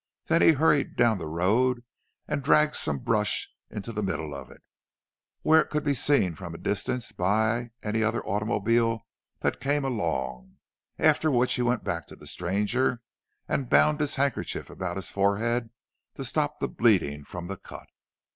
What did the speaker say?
Then he hurried down the road, and dragged some brush out into the middle of it, where it could be seen from a distance by any other automobile that came along; after which he went back to the stranger, and bound his handkerchief about his forehead to stop the bleeding from the cut.